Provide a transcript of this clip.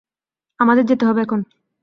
আমাদের যেতে হবে এখন।